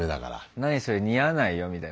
「何それ似合わないよ」みたいな。